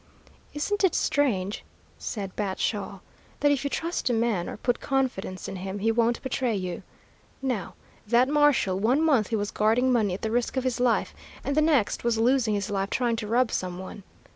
"Isn't it strange," said Bat Shaw, "that if you trust a man or put confidence in him he won't betray you. Now, that marshal one month he was guarding money at the risk of his life, and the next was losing his life trying to rob some one.